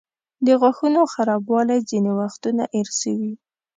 د غاښونو خرابوالی ځینې وختونه ارثي وي.